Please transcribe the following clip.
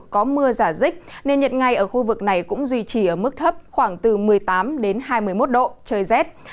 có mưa giả dích nên nhiệt ngày ở khu vực này cũng duy trì ở mức thấp khoảng từ một mươi tám đến hai mươi một độ trời rét